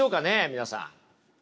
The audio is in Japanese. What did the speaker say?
皆さん。